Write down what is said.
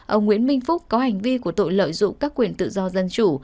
ông nguyễn minh phúc có hành vi của tội lợi dụng các quyền tự do dân chủ